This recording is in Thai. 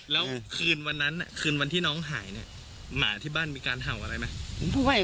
แล้วคืนวันนั้นคืนวันที่น้องหายเนี่ยหมาที่บ้านมีการเห่าอะไรไหม